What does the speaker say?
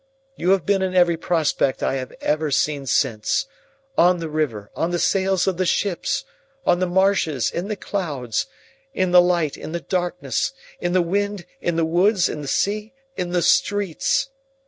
You have been in every prospect I have ever seen since,—on the river, on the sails of the ships, on the marshes, in the clouds, in the light, in the darkness, in the wind, in the woods, in the sea, in the streets.